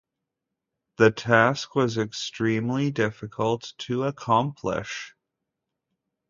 The task was extremely difficult to accomplish.